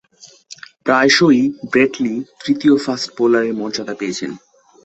প্রায়শঃই Brett Lee তৃতীয় ফাস্ট-বোলারের মর্যাদা পেয়েছেন।